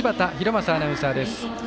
正アナウンサーです。